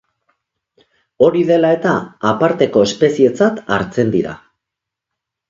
Hori dela eta, aparteko espezietzat hartzen dira.